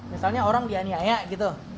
misalnya orang dianiaya gitu